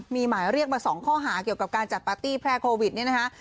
มีหมายเรียกมา๒ข้อหาของการจัดปาร์ตี้แพร่โควิดนะครับ